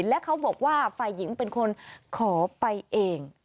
และเขาบอกว่าฝ่ายหญิงเป็นคนขอไปเอง